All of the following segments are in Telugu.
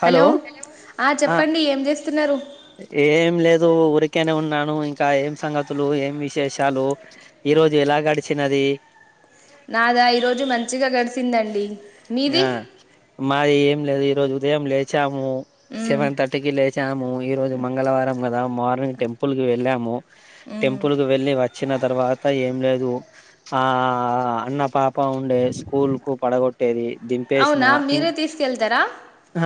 హలో ఆ చెప్పండి ఏం చేస్తున్నారు ఏం లేదు ఊరికి కనే ఉన్నాను ఇంకా ఏం సంగతులు, ఏం విశేషాలు ఈ రోజు ఎలా గడిచినది. నాదా ఈరోజు మంచిగా గడిచిందండి. యా మాద్ ఏం లేదు ఈ రోజు ఉదయం లేచాము. ఉమ్ సెవెన్ థర్టీకి లేచ్ వచ్చాము. ఈరోజు మంగళవారం కదా మార్నింగ్ టెంపుల్కి వెళ్ళాము. ఉమ్ టెంపుల్కి వెళ్ళి వచ్చిన తర్వాత ఏం లేదు. ఆ అన్న పాప ఉండే స్కూల్ కు పడగొ ట్టేది అవునా మీరే తీసుకెళ్తారా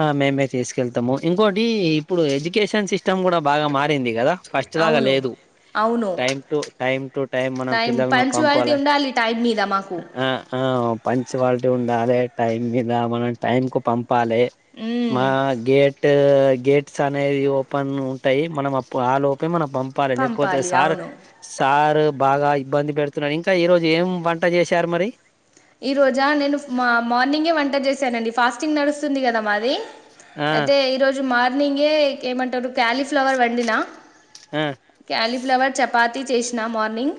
ఆ మేమే తీసుకెళ్తాము. ఇంకోటి ఇప్పుడు ఎడ్యుకేషన్ సిస్టమ్ కూడా బాగా మారింది కదా. ఫస్ట్ లాగా అవును లేదు అవును time to time to time మనం పిల్లలను పంపాల. పంచువాలిటీ ఉండాలి టైం మీద మాకు ఆ ఆ పంచవాళ్ళు ఉండాలి టైం మీద మనం టైం కు పంపాలి. మ్మ్, మా గేట్ గేట్స్ అనేది ఓపెన్ ఉంటాయి. మనం అప్పు ఆలోపే మనం పంపాలి లేకపోతే సార్ సార్ బాగా ఇబ్బంది పెడుతున్నారు. ఇంకా ఈ రోజు ఏం వంట చేశారు మరి. ఈ రోజా నేను మా మార్నింగే వంట చేశానండి ఫాస్టింగ్ నడుస్తుంది కదా మాది ఆ అయితే ఈ రోజు మా మార్నింగే ఏమంటారు క్యాలీఫ్లవర్ వండినా ఆ క్యాలిఫ్లవర్ చపాతి పాతి చేసిన మార్నింగ్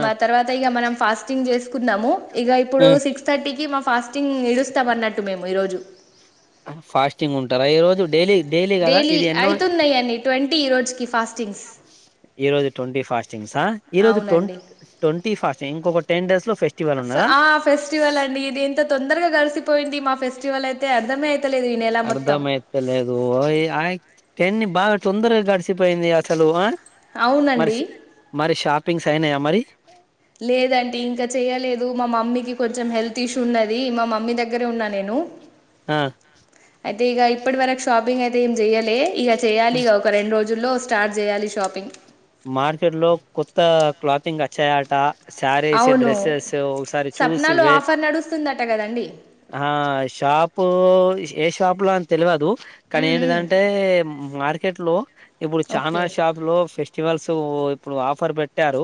ఆ మ తర్వాత ఇక మనం ఫాస్టింగ్ చేసుకున్నాము. ఇక ఇప్పుడు ఆ సిక్స్ థర్టీకి మా ఫాస్ట్ ఇడుస్తామ్ అన్నట్టు మేము ఈ రోజు ఫాస్టింగ్ ఉంటారా ఈ రోజు డైలీ కదా డైలీ ఇది ఎన్నో అయితున్నాయన్ని ట్వంటీ రోజుకి ఫాస్టింగ్స్ ఈరోజు ట్వంటీ ఫాస్ట్ చింగ్స ఈ రోజు ట్వంట్ అవునండి ట్వంటీ ఫాస్ట్ ఇంకొకటి టెన్డేస్ లో ఫెస్టివల్ ఉన్నదా ఆ ఫెస్టివల్ అండి ఇది ఎంత తొం దరగా కలిసిపోయింది మా ఫెస్టివల్ అయితే అర్థమేత్ అర్ధామైతలేదు ఆ టన్ని బాగా తొందరగా గడిసిపోయింది అసలు ఆ మరి అవునండి శే మరి షా పిింగ్స్ అయినయ మరి లేదంటీ ఇంకా చెయలేదు మా మమ్మీకి కొంచెం హెల్త్ ఇష్యూ ఉన్నది మా మమ్మీ దగ్గరే ఉన్నా నేను ఆ అయితే ఇగా ఇప్పటి వరకు షాపింగ్ అయితే తే ఏం చేయలే ఇగ చెయాలిగా ఒక రెండు రోజుల్లో స్టార్ట్ చేయాలి షాపింగ్ మార్కెట్ లో కొత్త క్లాతింగ్ వచ్చయాట శారీస్ అవును డ్రెస్సెస్ ఒకసారి చూసి సప్నాలో వే ఆఫర్ నడుస్తుందట కదండి ఆ షాపు షే పులా అని తెలువదు కనీ మ్మ్, మ్మ్. ఏంటిదంటే మార్ కేట్లో ఇప్పుడు చానా ఓకే ఫెస్టివల్స్ ఇప్పుడు ఆఫర్ పెట్టారు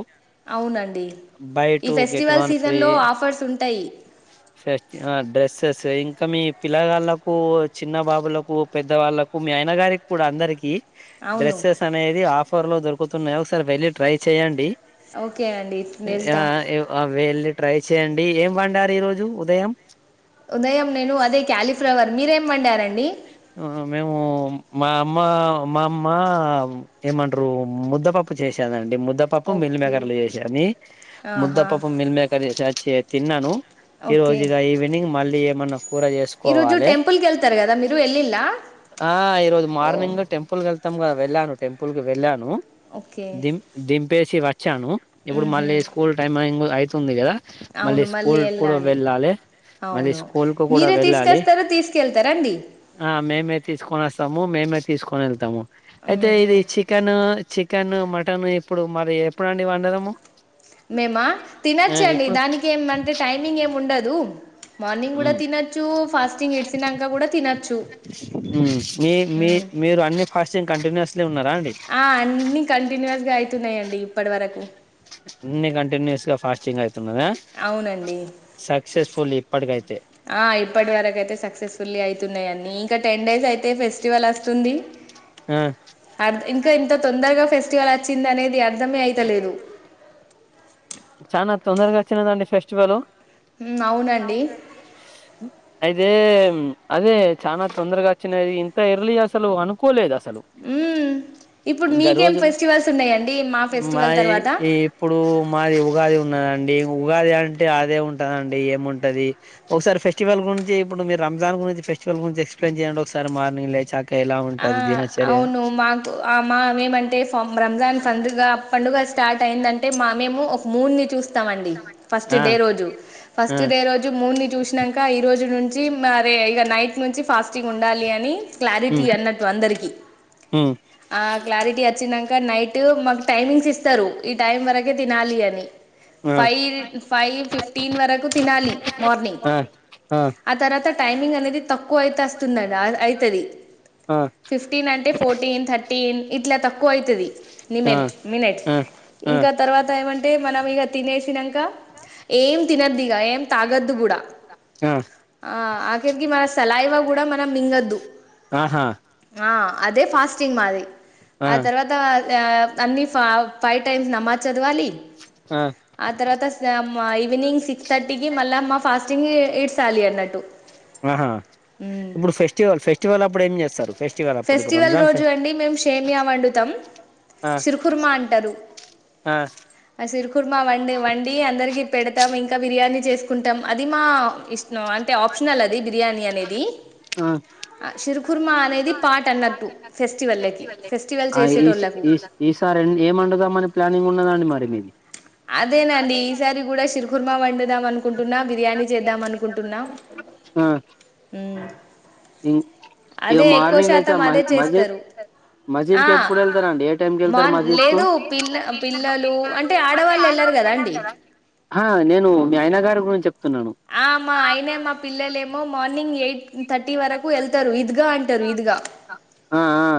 అవునండి బై ఈ two get festival one free సీజన్లో ఆఫర్స్ ఉంటాయి ఫస్ డ్రెస్సెస్ ఇం ఇంక మీ పిల్లగాళ్లకు చిన్న బాబులకు పెద్ద వాళ్ళలకు మీ ఆయన గారికి కూడా అందరికి అవును హఫ్వర్ లో దొరుకుతున్నాయి ఒకసారి వెల్లి ట్రై చేయండి ఓకే అండి ఆ వెళ్తా అ వ వెళ్ళి ట్రై చేయండి ఏం వండారు ఈ రోజు ఉదయం ఉదయం నేను అదే క్యాలిఫ్లవర్ మీరేం వండారండి మేము మా అమ్మ మా అమ్మ ఏమంటారు ముద్దపప్పు చేసారండి ముద్దపప్పు ఓకే మిల్మేకర్లు చేసాని ఆహా ముద్దపప్పు మిల్ మేకర్ చేసచ్చ తిన్నాను ఈ ఓకే రోజు ఇగ ఈవినింగ్ మళ్ళీ ఏమన్నా కూర ఈరోజు చేసుకోవాలే టెంపుల్కి వెళ్తారు కదా మీరు వెళ్ళిలా ఆ ఈరోజు ఓ మార్నింగ్ టెంపుల్ గా వెళ్ళాను టెంపుల్ కి వెళ్ళాను ఓకే దిమ్ దిమ్ పేషివ ఇచ్చాను ఇప్పుడు మళ్ళీ మ్మ్హ. స్కూల్ టైమ్ అ అయితుంది గదా అవును మళ్ళీ ఎళ్ళాలి మళ్ళీ అవును స్కూల్ కు కూడా మీరే వెళ్ళాలి తీసుకెస్తరు తీసుకెళ్తా రండి ఆ మేమే తీసుకొని అస్తము మేమే తీసుకొని ఎళ్తము అయితే ఉహు ఇది చికెను చికెను మటను ఇప్పుడు మరి ఎప్పుడండి వండడము మేమా ఆ తినచ్చండి ఇప్పుడు దానికేమంటే టైమింగ్ ఏమి ఉండదు మార్నింగ్ కూడా మ్ తినచ్చు ఫాస్టింగ్ ఇడ్సినాక కూడా తినచ్చు మ్ మీ మీ హుమ్ మీరు అన్ని ఫాస్టింగ్ కంటిన్యూస్లీ ఉన్నారా అండి ఆ అన్ని కంటిన్యూయస్ గా అయి అయితున్నాయండి ఇప్పటి వరకు అన్నీ కంటిన్యూయస్ గా ఫాస్టింగ్ అయ్ అవునండి సక్సెస్ఫుల్ ఇప్పటికైతే ఆ ఇప్పటి వరకు అయితే సక్సెస్ఫుల్లీ అయి తున్నాయి ఇంకా టెన్ డేస్ అయితే ఫెస్టివల్ అస్తుంది ఆ అ ఇంకా ఇంత తొందరగా ఫెస్టివల్ అచ్ వచిన్ దనేది అ చానా తొందరగా వచ్చినదండి ఫెస్టివలు అవునండి అవునండీ అయితే అదే చానా తొందరగా వచ్చినది ఇంత ఎర్లీ గా అసలు అనుకోలేదు అసలు హుమ్ ఇప్పుడు గా మీకేం రోజులు ఫెస్టివల్స్ ఉన్నాయండి మా ఫెస్టివల్ మాది తర్వాత ఈ ఇప్పుడూ మాది ఉగాది ఉన్నదండి ఉగాది అంటే అదే ఉంటదండి ఏముంటది ఒకసారి ఫెస్టివల్ గురించి ఇప్పుడు మీరు రంజాన్ గురించి ఫెస్టివల్ గురించి ఎక్స్ప్లెయిన్ చేయండి ఒకసారి మార్నింగ్ లే చ ఆ అవును మాకు ఆ మా మేమంటే ఫ రంజాన్ పండుగ పండుగ స్టార్ట్ అయిందంటే మా మేము ఒక మూన్ ని చూస్ స్తామండి ఫస్ట్ ఆ డే రోజు ఆ ఫస్ట్ డే రోజు మూన్ ని చూసినంక ఈ రోజు నుండి చి మరే ఇక నైట్ నుంచి ఫాస్టింగ్ ఉండాలి అని క్లారిటీ ఉమ్ అన్నట్టు అందరికి ఉమ్ ఆ క్లారిటీ అచినంక ఇంక నైట్ మాకు టైమింగ్స్ ఇస్తారు ఈ టైం వరకే తినాలి అని ఆ ఫైవ్ ఫైవ్ ఫిఫ్టీన్ వరకు తినాలి మార్నింగ్ ఆ ఆ అ తర్వాత టైమింగ్ అనేది తక్కువ అయితే వస్తుంది అయితది ఆ ఫిఫ్టిన్ అంటె ఫోర్టీన్ థర్టీ ఏమ్ ఇట్ల ఎక్కువ అవుతుంది నిమ్మ ఆ మినెట్స్ ఆ ఆ ఇంకా తర్వాత ఏమంటే టే మనం ఇక తినేసినాక ఏం తినద్దు ఇక ఏం తాగద్దు కూడా ఆ ఆ ఆఖరికి మన సలైవ గూడా మనం మింగద్దు ఆహ ఆ అదే ఫాస్టింగ్ మాది ఆ తర్వతా తె తన్నిఫ ఫైవ్ టైమ్స్ నమాజ్ చదవాలి ఆ తర్వత ఈవినింగ్ సిక్స్ థర్టీకిి మళ్ళ మా ఫాస్టింగ్ ఇడ్సాలి అ నటు ఆహ ఇప్పుడు ఫెస్టివల్ ఫెస్ట్ ట్యువల్ అప్పుడు ఏం చేస్తారు ఫెస్టివల్ అప్పుడు ఇప్పుడు ఫెస్టివల్ రంజాన్ ఫె రోజు అండి మేము షేమియా వండుతాం ఆ సిరుకుర్మా అంటారు ఆ ఆ సిిరుకుర్మా వండె వండి అందరికి పెడతాం ఇంకా బిర్యానీ చేసుకుంటాం అది మా ఇష్ నో అంటే ఆప్షనల్ అది బిర్యాని అనేది సిరుఖుర్మ అనేది పాట్ అన్నట్టు ఫెస్టివల్కి ఫెస్టివల్ ఆ ఈ సి చేసేటోళ్ళలకు ఈ సారి ఏం వండుదామని ప్లానింగ్ ఉన్నారు అదేనండి ఈసారి కూడ సిరిఖుర్మ వండు త్యామను హ మ్మ్. ఇ ఇగ అదే ఎక్కువ మార్నింగ్ లేచ్చా శాతం అదే మజీద్ చేస్తారు ఆ మజీద్కి ఎప్పుడు వెళ్తారా అండి ఏ టైంకి వెళ్తారు మార్ మజీద్ కు లేదు పిల్ల పిల్లలు అంటే ఆడవాళ్ళు వెళ్ళరు కదా అండి ఆ నేను మీ ఆయన గారి గురించి చెప్ ఆ మా అయనే మా పిల్లలే మ మార్నింగ్ ఎయిట్ థర్టీ వరకు వెళ్తారు ఇద్గా అంటారు ఇద్ గా ఆ ఆ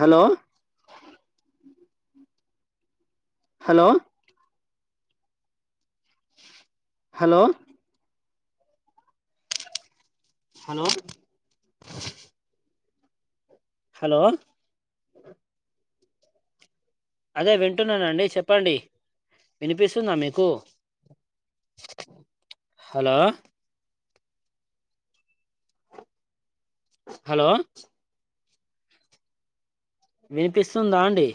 hello hello hello hello hello అదే వింటున్నానండి చెప్పండి వినిపిస్తుందా మీకు హలోయ్ హలోయ్ వినిపిస్తుందా అండి